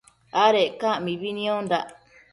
Adec ca mibi niondandac